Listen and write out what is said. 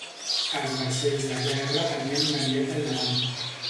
Els vaixells de guerra tenien un ariet al davant.